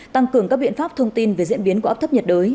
tăng cường các biện pháp thông tin về diễn biến của áp thấp nhiệt đới